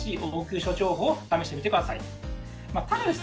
ただですね